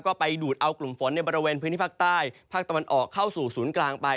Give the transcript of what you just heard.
ก็ไปดูดเอากลุ่มฝนในบริเวณพื้นที่ภาคใต้ภาคตะวันออกเข้าสู่ศูนย์กลางไป